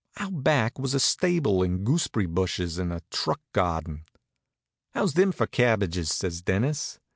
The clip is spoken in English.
Out back was a stable and goosb'ry bushes and a truck garden. "How's thim for cabbages?" says Dennis.